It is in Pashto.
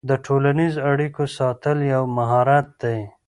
د ټولنیزو اړیکو ساتل یو مهارت دی.